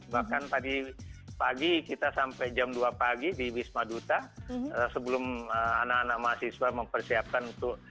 bahkan tadi pagi kita sampai jam dua pagi di wisma duta sebelum anak anak mahasiswa mempersiapkan untuk